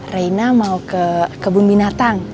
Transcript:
reina mau ke kebun binatang